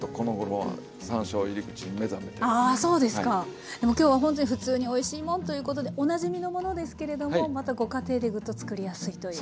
でも今日はほんとに「ふつうにおいしいもん」ということでおなじみのものですけれどもまたご家庭でグッとつくりやすいという。